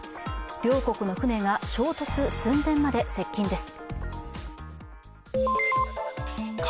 両国の船が衝突寸前まで接近です。